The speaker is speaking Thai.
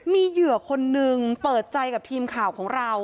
มีเหยื่อคนนึงเปิดใจกับทีมข่าวของเรา